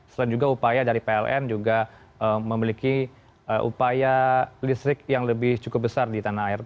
selain juga upaya dari pln juga memiliki upaya listrik yang lebih cukup besar di tanah air